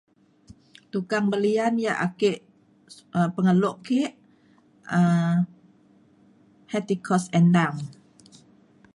tukang belian ia' ake um pengelo ke um Hetty Koes Endang